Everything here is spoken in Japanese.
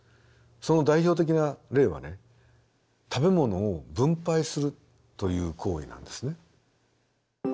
その代表的な例は食べ物を分配するという行為なんですね。